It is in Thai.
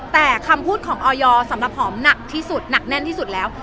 แต่คำพูดของออยสำหรับหอมหนักที่สุดหนักแน่นที่สุดแล้ว